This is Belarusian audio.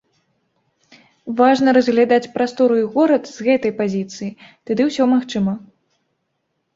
Важна разглядаць прастору і горад з гэтай пазіцыі, тады ўсё магчыма.